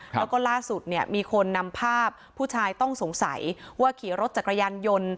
แล้วก็ล่าสุดเนี่ยมีคนนำภาพผู้ชายต้องสงสัยว่าขี่รถจักรยานยนต์